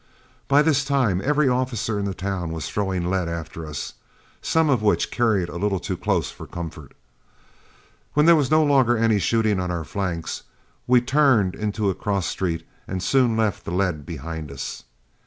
By this time every officer in the town was throwing lead after us, some of which cried a little too close for comfort. When there was no longer any shooting on our flanks, we turned into a cross street and soon left the lead behind us.